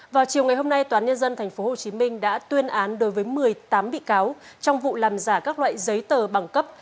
vào chiều ngày hôm nay toán nhân dân tp hcm đã tuyên án đối với một mươi tám bị cáo trong vụ làm giả các loại giấy tờ bằng cấp